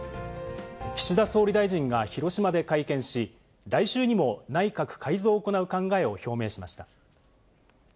岸田総理大臣が広島で会見し、来週にも内閣改造を行う考えを表明しました。